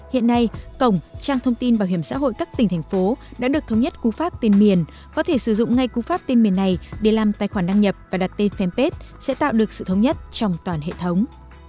hiện nay cổng trang thông tin bảo hiểm xã hội các tỉnh thành phố đã được thống nhất cú pháp tên miền có thể sử dụng ngay cú pháp tên miền này để làm tài khoản đăng nhập và đặt tên fanpage sẽ tạo được sự thống nhất trong toàn hệ thống